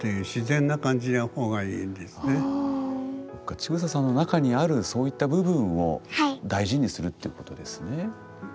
チグサさんの中にあるそういった部分を大事にするということですね。